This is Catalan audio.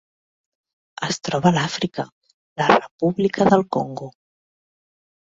Es troba a Àfrica: la República del Congo.